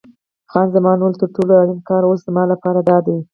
خان زمان وویل: تر ټولو اړین کار اوس زما لپاره دادی.